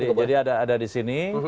iya jadi ada di sini